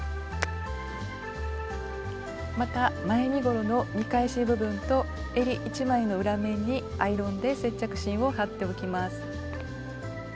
また前身ごろの見返し部分とえり１枚の裏面にアイロンで接着芯を貼っておきます。